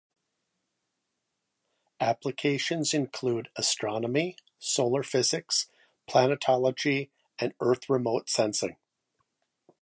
Applications include astronomy, solar physics, planetology, and Earth remote sensing.